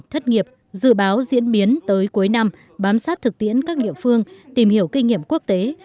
thất nghiệp dự báo diễn biến tới cuối năm bám sát thực tiễn các địa phương tìm hiểu kinh nghiệm quốc tế